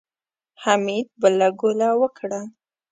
حميد بله ګوله وکړه.